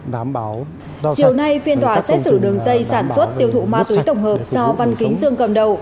chiều nay phiên tòa xét xử đường dây sản xuất tiêu thụ ma túy tổng hợp do văn kính dương cầm đầu